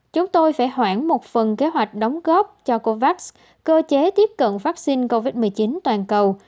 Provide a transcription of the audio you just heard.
chúng tôi phải hoãn một phần kế hoạch đóng góp cho covax cơ chế tiếp cận vaccine covid một mươi chín toàn cầu